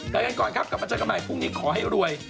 กันก่อนครับกลับมาเจอกันใหม่พรุ่งนี้ขอให้รวย